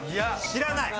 知らない？